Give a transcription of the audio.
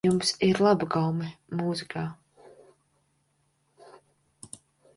Jums ir laba gaume mūzikā.